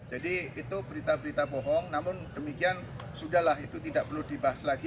jadi itu berita berita bohong namun demikian sudah lah itu tidak perlu dibahas lagi